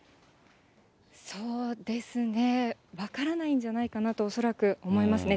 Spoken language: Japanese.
そうですね、分からないんじゃないかなと、恐らく思いますね。